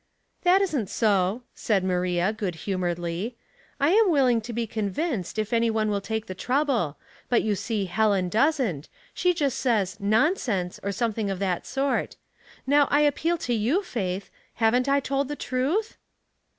*' That isn't so," said Maria, good humoredly. '' I am willing to be convinced, if any one will take the trouble; but you see Helen doesn't, she just says 'nonsense,' or something of that sort. Now I appeal to you. Faith. Haven't I told the truth?"